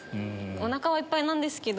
おなかはいっぱいなんですけど。